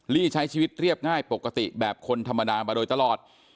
ลี่ใช้ชีวิตเรียบง่ายปกติแบบคนธรรมดามาโดยตลอด